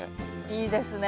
いいですね。